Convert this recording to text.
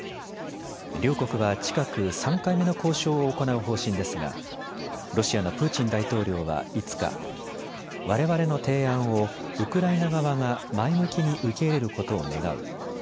両国は近く３回目の交渉を行う方針ですがロシアのプーチン大統領は５日、われわれの提案をウクライナ側が前向きに受け入れることを願う。